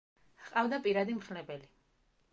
ჰყავდა პირადი მხლებელი.